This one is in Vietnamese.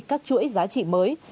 các chuỗi giá trị mới